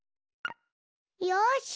よし！